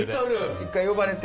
一回呼ばれて。